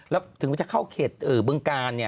แล้วถึงจะเข้าเขตบึงกาล